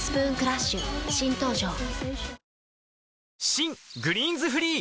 新「グリーンズフリー」